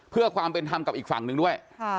เพื่อความเป็นธรรมกับอีกฝั่งหนึ่งด้วย